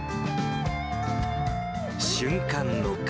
瞬間の顔。